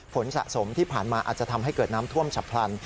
สะสมที่ผ่านมาอาจจะทำให้เกิดน้ำท่วมฉับพลัน